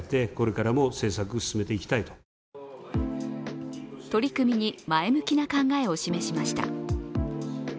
国会でも取り組みに前向きな考えを示しました。